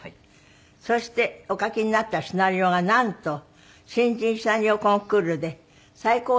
そしてお書きになったシナリオがなんと新人シナリオコンクールで最高賞を受賞なさった。